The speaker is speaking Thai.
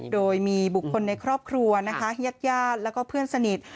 โดยมีบุคคลในครอบครัวนะคะญาติญาติแล้วก็เพื่อนสนิท